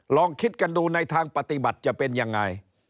ลองคิดกันดูในทางปฏิบัติจะเป็นยังไง